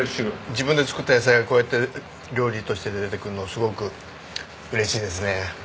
自分で作った野菜がこうやって料理として出てくるのはすごく嬉しいですね。